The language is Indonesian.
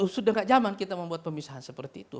sudah tidak zaman kita membuat pemisahan seperti itu